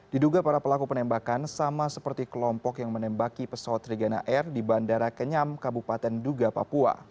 diduga para pelaku penembakan sama seperti kelompok yang menembaki pesawat regana air di bandara kenyam kabupaten duga papua